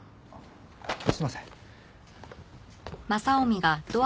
すいません。